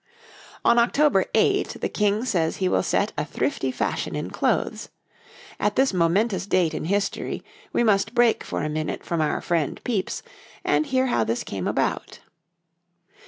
On October 8 the King says he will set a thrifty fashion in clothes. At this momentous date in history we must break for a minute from our friend Pepys, and hear how this came about.